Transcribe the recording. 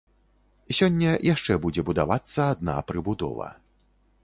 Сёння яшчэ будзе будавацца адна прыбудова.